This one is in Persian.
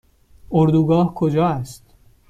اردوگاه کجا است؟